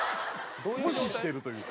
無視してるというか。